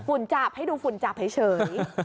ฝุ่นจับให้ดูฝุ่นจับให้เฉย